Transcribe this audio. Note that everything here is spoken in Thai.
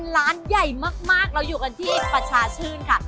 ร้านใหญ่มากเราอยู่กันที่ประชาชื่นค่ะ